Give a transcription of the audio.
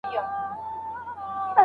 که خلګ غفلت ونه کړي، حالت به ښه سي.